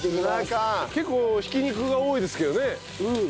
結構ひき肉が多いですけどね